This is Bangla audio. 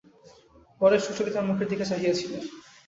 পরেশ সুচরিতার মুখের দিকে চাহিয়া ছিলেন।